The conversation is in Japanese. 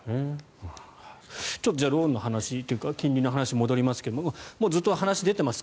ちょっとローンの話というか金利の話に戻りますがずっと話に出ています。